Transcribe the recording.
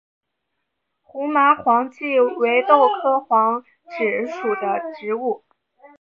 胡麻黄耆为豆科黄芪属的植物。